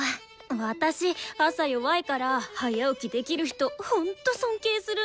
私朝弱いから早起きできる人ほんと尊敬するんだよね。